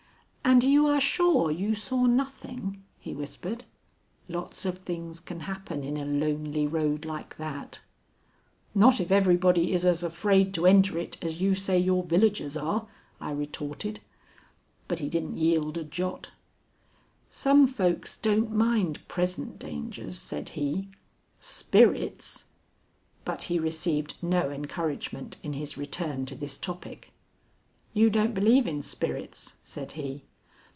"And you are sure you saw nothing?" he whispered. "Lots of things can happen in a lonely road like that." "Not if everybody is as afraid to enter it as you say your villagers are," I retorted. But he didn't yield a jot. "Some folks don't mind present dangers," said he. "Spirits " But he received no encouragement in his return to this topic. "You don't believe in spirits?" said he.